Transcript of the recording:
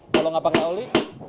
kalau nggak pakai oli